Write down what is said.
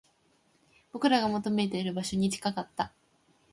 僕らが求めている場所に近かった